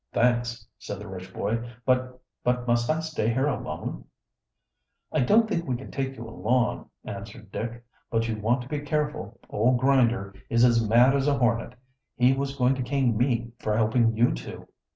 "Thanks," said the rich boy. "But but must I stay here alone?" "I don't think we can take you along," answered Dick. "But you want to be careful. Old Grinder is as mad as a hornet. He was going to cane me for helping you two.